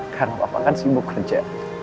karena papa kan sibuk kerja